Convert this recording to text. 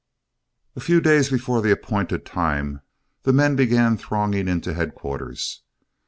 A few days before the appointed time, the men began thronging into headquarters.